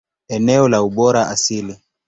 Eneo la ubora asili.